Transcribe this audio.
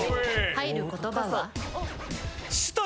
入る言葉は？